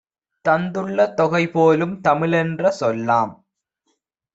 தந்துள்ள தொகைபோலும் தமிழென்ற சொல்லாம்.